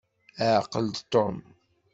Ɛqel-d Tom.